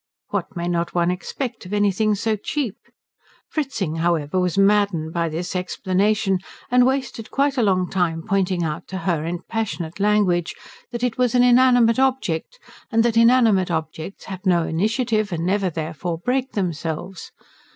What may not one expect of anything so cheap? Fritzing, however, was maddened by this explanation, and wasted quite a long time pointing out to her in passionate language that it was an inanimate object, and that inanimate objects have no initiative and never therefore break themselves.